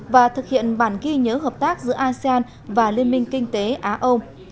và thực hiện bản ghi nhớ hợp tác giữa asean và liên minh kinh tế á âu